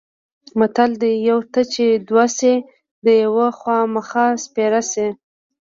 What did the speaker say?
متل دی: یوه ته چې دوه شي د یوه خوامخا سپېره شي.